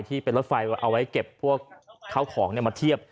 ที่เป็นรถไฟเอาไว้เก็บพวกข้าวของมาเทียบ